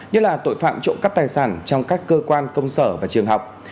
như là tội phạm trộm cắp tài sản trong các cơ quan công sở và trường học